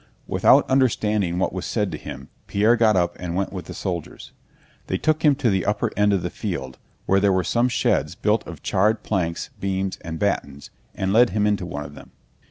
Without understanding what was said to him, Pierre got up and went with the soldiers. They took him to the upper end of the field, where there were some sheds built of charred planks, beams, and battens, and led him into one of them.